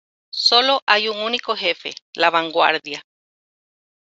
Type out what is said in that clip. Solo hay un único jefe: La Vanguardia.